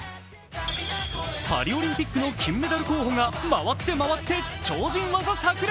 パリオリンピックの金メダル候補が回って回って超人技炸裂！